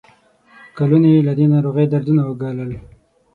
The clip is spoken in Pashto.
کلونه یې له دې ناروغۍ دردونه ګالل.